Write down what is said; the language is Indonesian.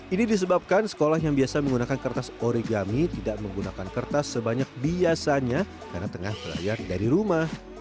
ini disebabkan sekolah yang biasa menggunakan kertas oregami tidak menggunakan kertas sebanyak biasanya karena tengah berlayar dari rumah